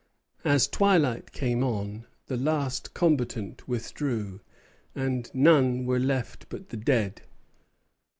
As twilight came on, the last combatant withdrew, and none were left but the dead.